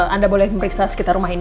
anda boleh memeriksa sekitar rumah ini